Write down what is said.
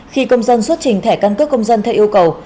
khi công dân xuất trình thẻ căn cước công dân theo yêu cầu